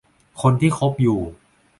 คนที่คบอยู่